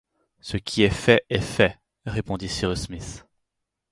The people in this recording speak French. Ce qui est fait est fait, répondit Cyrus Smith.